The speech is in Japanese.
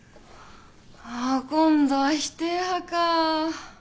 あ今度は否定派か。